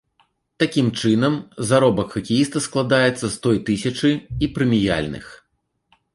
Такім чынам, заробак хакеіста складаецца з той тысячы і прэміяльных.